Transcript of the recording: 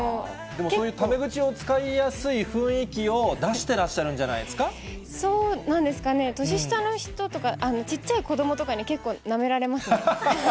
でもそういうタメ口を使いやすい雰囲気を出してらっしゃるんそうなんですかね、年下の人とか、小っちゃい子どもとかに結構、なめられますね。